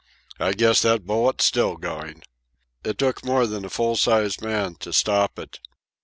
I guess that bullet's still going. It took more than a full sized man to stop it.